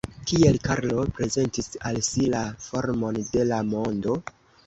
Kiel Karlo prezentis al si la formon de la mondo?